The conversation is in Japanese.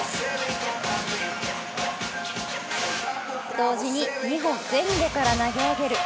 同時に２本、前後から投げ上げる。